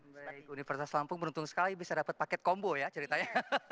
baik universitas lampung beruntung sekali bisa dapat paket kombo ya ceritanya